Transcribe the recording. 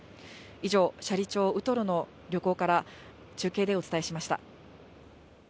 以上、斜里町ウトロの漁港から中継でお伝えしました。